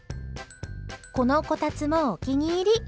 このこたつもお気に入り。